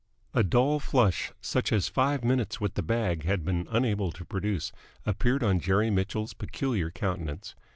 A dull flush, such as five minutes with the bag had been unable to produce, appeared on Jerry Mitchell's peculiar countenance.